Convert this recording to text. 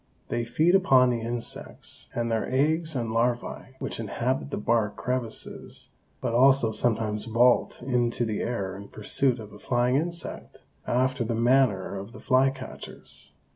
They feed upon the insects and their eggs and larvæ which inhabit the bark crevices, but also sometimes vault into the air in pursuit of a flying insect, after the manner of the flycatchers.